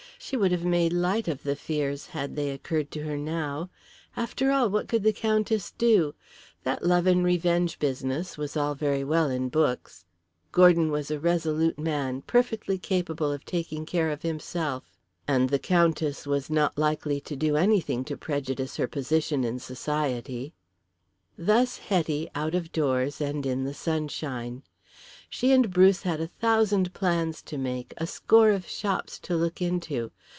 She would have made light of the fears had they occurred to her now. After all, what could the Countess do? That love and revenge business was all very well in books. Gordon was a resolute man, perfectly capable of taking care of himself, and the Countess was not likely to do anything to prejudice her position in society. Thus Hetty out of doors and in the sunshine. She and Bruce had a thousand plans to make, a score of shops to look into.